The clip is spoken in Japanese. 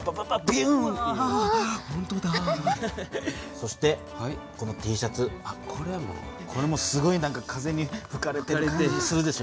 そしてこのＴシャツこれもすごい風にふかれてる感じするでしょ。